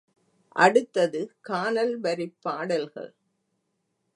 அடுத்தது கானல் வரிப் பாடல்கள்.